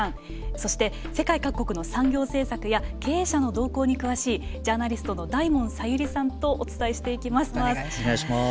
そして世界各国の産業政策や経営者の動向に詳しいジャーナリストの大門小百合さんとお伝えしていきます。